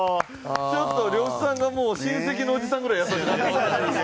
ちょっと呂布さんがもう親戚のおじさんぐらい優しくなってましたね。